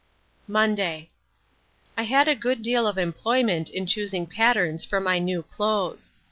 Monday. I had a good deal of employment in choosing patterns for my new clothes.